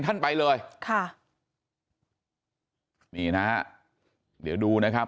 ท่านไปเลยค่ะนี่นะฮะเดี๋ยวดูนะครับ